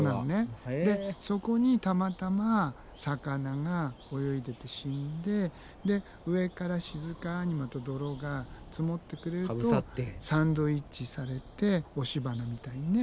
そこにたまたま魚が泳いでて死んでで上から静かにまた泥が積もってくれるとサンドイッチされて押し花みたいにね